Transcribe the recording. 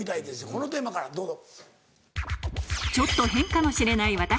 このテーマからどうぞ。